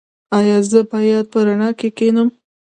ایا زه باید په رڼا کې کینم؟